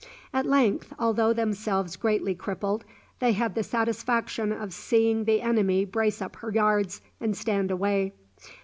At length, although themselves greatly crippled, they had the satisfaction of seeing the enemy brace up her yards and stand away.